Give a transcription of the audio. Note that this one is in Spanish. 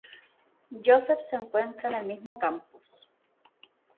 Joseph se encuentran en el mismo campus.